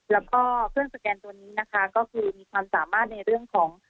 แล้วก็เครื่องสแกนตัวนี้นะคะก็คือมีความสามารถในเรื่องของ